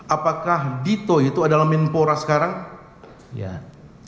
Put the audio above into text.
apakah dito itu adalah menpora sekarang